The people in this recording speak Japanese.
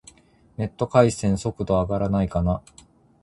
ネット回線、速度上がらないかな